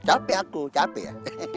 capek aku capek ya